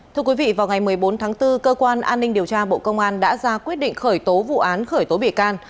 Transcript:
thưa quý vị vào ngày một mươi bốn tháng bốn cơ quan an ninh điều tra bộ công an đã ra quyết định khởi tố vụ án khởi tố bị can